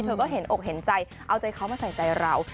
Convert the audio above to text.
เธอก็เห็นอกเห็นใจเอาใจเขามาใส่ใจเรา